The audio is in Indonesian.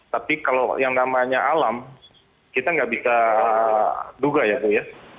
tapi kalau yang namanya alam kita tidak bisa duga ya